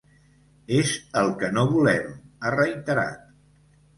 “És el que no volem”, ha reiterat.